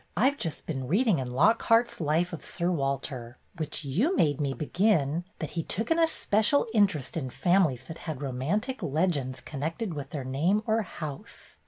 I've just been reading in Lockhart's Life of Sir Walter — which you made me begin — that he took an especial interest in families that had romantic legends connected with their name or house.